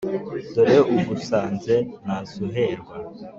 dore ugusanze ntasuherwa